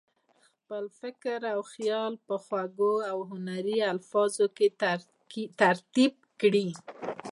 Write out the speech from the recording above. خپل فکر او خیال په خوږو او هنري الفاظو کې ترتیب کړي.